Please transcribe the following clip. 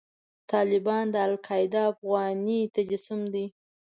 طالبان د القاعده افغاني تجسم دی.